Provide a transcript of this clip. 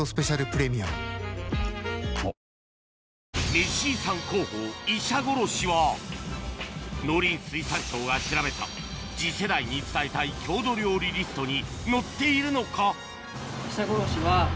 メシ遺産候補医者ごろしは農林水産省が調べた次世代に伝えたい郷土料理リストに載っているのか？